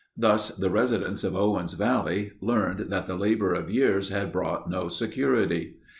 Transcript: Thus the residents of Owens Valley learned that the labor of years had brought no security.